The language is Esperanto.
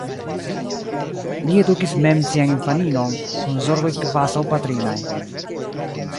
Li edukis mem sian infaninon, kun zorgoj kvazaŭ patrinaj.